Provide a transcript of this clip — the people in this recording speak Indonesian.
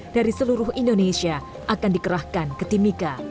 dari seluruh indonesia akan dikerahkan ke timika